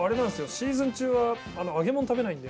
シーズン中は揚げもの食べないんで。